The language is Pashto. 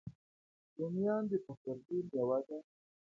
رومیان د پسرلي میوه ده